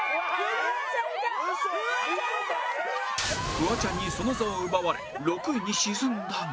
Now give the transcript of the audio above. フワちゃんにその座を奪われ６位に沈んだが